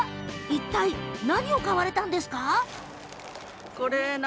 いったい、何を買われたんですか？